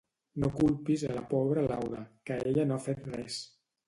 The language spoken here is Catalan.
No culpis a la pobra Laura que ella no ha fet res